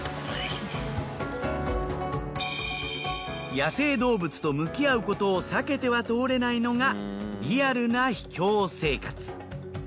野生動物と向き合うことを避けては通れないのがリアルな秘境生活。